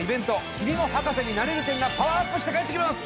「君も博士になれる展」がパワーアップして帰ってきます。